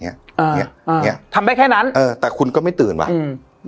เนี้ยอ่าเนี้ยเนี้ยทำได้แค่นั้นเออแต่คุณก็ไม่ตื่นว่ะอืม